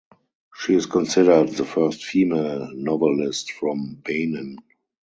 She is considered the first female novelist from Benin.